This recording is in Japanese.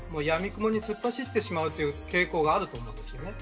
やみくもに突っ走ってしまう傾向があると思うんです。